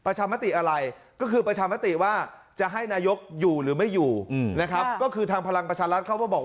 มติอะไรก็คือประชามติว่าจะให้นายกอยู่หรือไม่อยู่นะครับก็คือทางพลังประชารัฐเข้ามาบอก